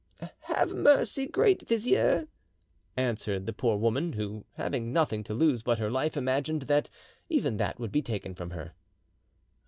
"Have mercy, great Vizier," answered the poor woman, who, having nothing to lose but her life, imagined that even that would be taken from her.